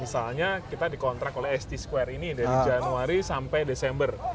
misalnya kita dikontrak oleh st square ini dari januari sampai desember